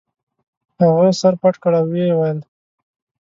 هغه سر پټ کړ او ویې ویل.